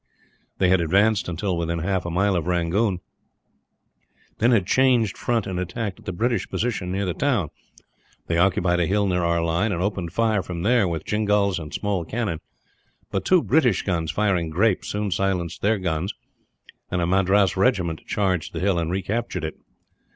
They had advanced until within half a mile of Rangoon, then had changed front and attacked the British position near the town. They occupied a hill near our line, and opened fire from there with jingals and small cannon; but two British guns firing grape soon silenced their guns, and a Madras regiment charged the hill and recaptured it.